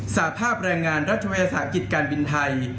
สภาพแรงงานรัฐวิทยาศาสตร์กิจการบินไทย